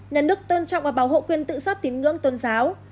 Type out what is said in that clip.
nhà nước tôn trọng và bảo hộ quyền tự do tín ngưỡng tôn giáo